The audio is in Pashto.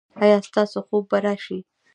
ایا ستاسو خوب به راشي؟